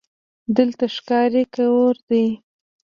دلته د ښکاري کور دی: